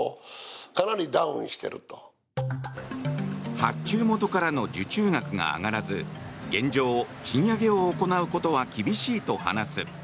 発注元からの受注額が上がらず現状、賃上げを行うことは厳しいと話す。